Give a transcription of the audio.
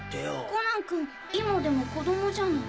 コナン君今でも子供じゃない。